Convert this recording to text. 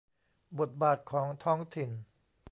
บทบาทของท้องถิ่น